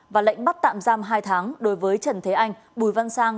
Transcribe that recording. và lệnh bắt tạm giam hai tháng đối với trần thế anh bùi văn sang